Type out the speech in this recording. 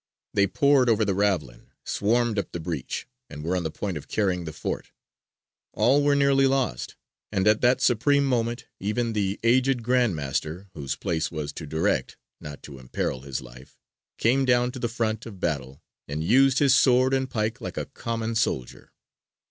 They poured over the ravelin, swarmed up the breach, and were on the point of carrying the fort. All was nearly lost, and at that supreme moment even the aged Grand Master, whose place was to direct, not to imperil his life, came down to the front of battle, and used his sword and pike like a common soldier.